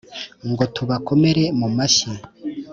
Ngo tubakomere mu mashyi